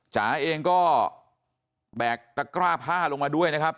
จ๋าเองก็แบกตะกร้าผ้าลงมาด้วยนะครับ